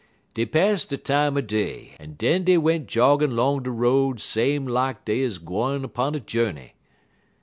"Dey pass de time er day, en den dey went joggin' 'long de road same lak dey 'uz gwine 'pun a journey.